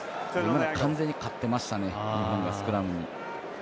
完全に勝ってましたね日本がスクラムに。